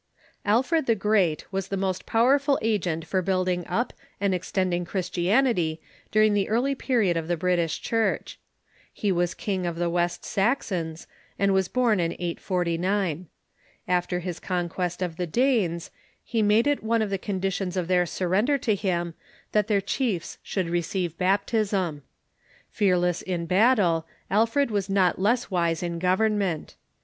Alfred the Great was the most powerful agent for build ing up and extending Christianity during the early period of the British Church. He was King of the West Sax the Great ^"^'^"*^^'^^ born in 849. After his conquest of the Danes, he made it one of the conditions of their sur render to him that their chiefs should receive baptism. Fear less in battle, Alfred Avas not less Avise in government.